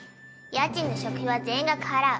家賃と食費は全額払う。